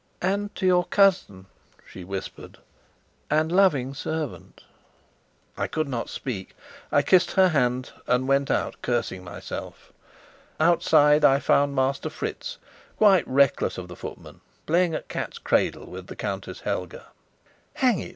"And to your cousin," she whispered, "and loving servant." I could not speak. I kissed her hand, and went out cursing myself. Outside I found Master Fritz, quite reckless of the footmen, playing at cat's cradle with the Countess Helga. "Hang it!"